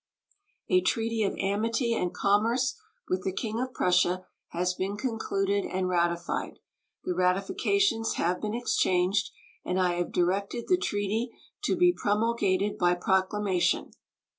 A treaty of amity and commerce with the King of Prussia has been concluded and ratified. The ratifications have been exchanged, and I have directed the treaty to be promulgated by proclamation.